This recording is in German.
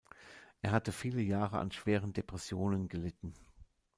Er hatte viele Jahre an schweren Depressionen gelitten.